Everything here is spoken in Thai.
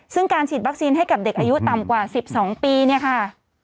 ซึ่งการฉีดวัคซีนให้กับเด็กอายุต่ำกว่า๑๒ปีเนี่ยค่ะ